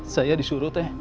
saya disuruh teh